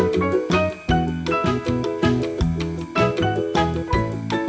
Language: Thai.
สวัสดีครับ